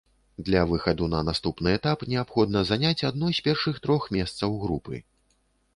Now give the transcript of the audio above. Для выхаду на наступны этап неабходна заняць адно з першых трох месцаў групы.